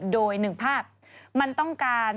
โดยหนึ่งภาพมันต้องการ